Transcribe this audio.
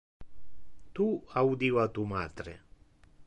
Tu audiva tu matre.